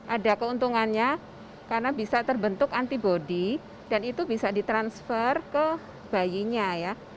ada keuntungannya karena bisa terbentuk antibody dan itu bisa ditransfer ke bayinya ya